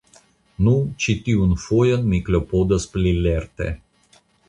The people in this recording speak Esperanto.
Nu, ĉi tiun fojon mi klopodos pli lerte.